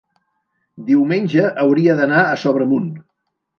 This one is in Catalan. diumenge hauria d'anar a Sobremunt.